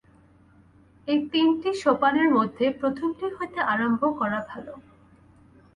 এই তিনটি সোপানের মধ্যে প্রথমটি হইতে আরম্ভ করা ভাল।